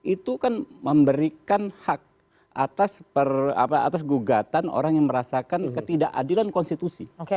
itu kan memberikan hak atas gugatan orang yang merasakan ketidakadilan konstitusi